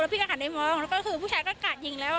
พี่ก็หันได้มองแล้วผู้ชายก็กาดยิงแล้วค่ะ